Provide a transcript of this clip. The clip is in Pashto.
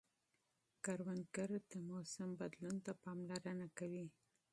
کروندګر د موسم بدلون ته پاملرنه کوي